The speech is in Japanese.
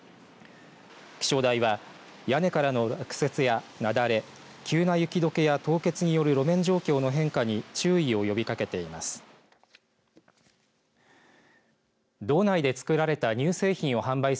気象台は屋根からの落雪や雪崩急な雪どけや凍結による路面状況の変化に注意を呼びかけています。